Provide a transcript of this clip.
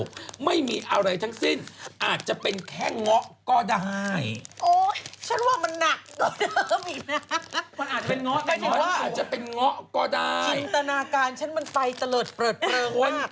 พี่เมียวทำผมแบบมาดผมอะไรอย่างนี้ละ